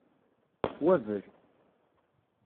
Wabel.